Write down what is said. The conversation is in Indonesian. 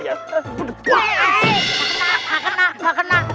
tidak kena tidak kena